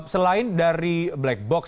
selain dari black box